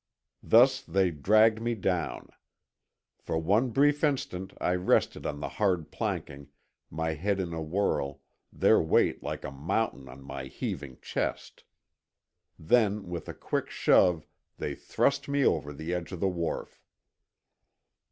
Thus they dragged me down. For one brief instant I rested on the hard planking, my head in a whirl, their weight like a mountain on my heaving chest. Then, with a quick shove they thrust me over the edge of the wharf.